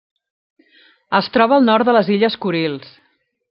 Es troba al nord de les illes Kurils.